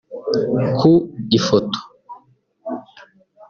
Ku ifoto